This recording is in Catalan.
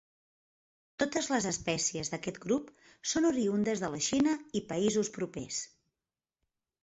Totes les espècies d'aquest grup són oriündes de la Xina i països propers.